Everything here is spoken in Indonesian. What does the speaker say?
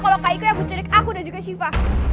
kalau kak iko yang mencuri aku dan juga syifa